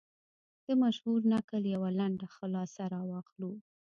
د مشهور نکل یوه لنډه خلاصه را واخلو.